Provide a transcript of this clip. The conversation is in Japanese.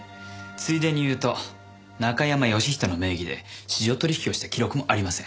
ついでに言うと中山良人の名義で市場取引をした記録もありません。